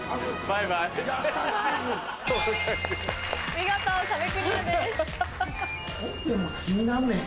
見事壁クリアです。